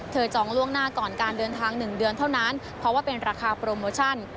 จองล่วงหน้าก่อนการเดินทาง๑เดือนเท่านั้นเพราะว่าเป็นราคาโปรโมชั่น